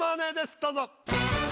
どうぞ。